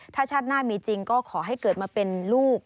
ถ้าชาติหน้ามีจริงก็ขอให้เกิดมาเป็นลูก